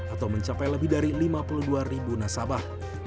atau mencapai lebih dari lima puluh dua ribu nasabah